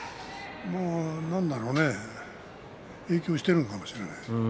何だろうね影響しているのかもしれない。